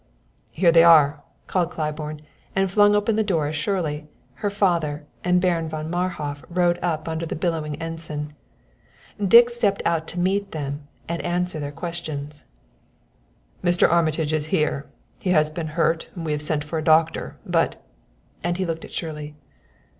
"Here they are," called Claiborne, and flung open the door as Shirley, her father and Baron von Marhof rode up under the billowing ensign. Dick stepped out to meet them and answer their questions. "Mr. Armitage is here. He has been hurt and we have sent for a doctor; but" and he looked at Shirley.